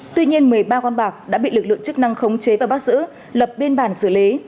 tuy nhiên một mươi ba con bạc đã bị lực lượng chức năng khống chế và bắt giữ lập biên bản xử lý